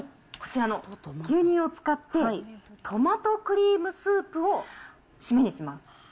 こちらの牛乳を使って、トマトクリームスープをシメにします。